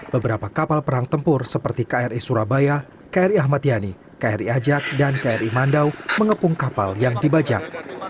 beberapa kapal perang tempur seperti kri surabaya kri ahmad yani kri ajak dan kri mandau mengepung kapal yang dibajak